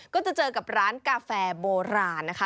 ก็จะเจอกับร้านกาแฟโบราณนะคะ